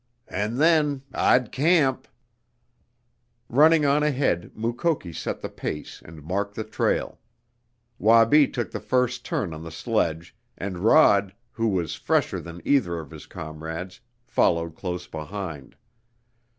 "And then I'd camp!" Running on ahead Mukoki set the pace and marked the trail. Wabi took the first turn on the sledge, and Rod, who was fresher than either of his comrades, followed close behind.